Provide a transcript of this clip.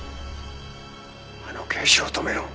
あの刑事を止めろ。